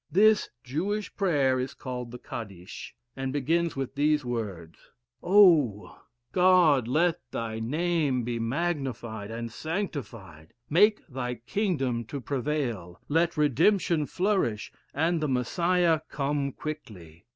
This Jewish prayer is called the Kadish, and begins with these words: "Oh! God! let thy name be magnified and sanctified; make thy kingdom to prevail; let redemption flourish, and the Messiah come quickly!"